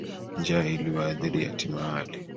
Njaa iliwaadhiri yatima wale.